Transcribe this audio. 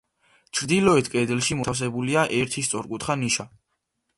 ჩრდილოეთ კედელში მოთავსებულია ერთი სწორკუთხა ნიშა.